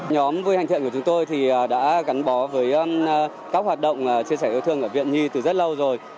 nhóm vui hạnh thiện của chúng tôi thì đã gắn bó với các hoạt động chia sẻ yêu thương ở viện nhi từ rất lâu rồi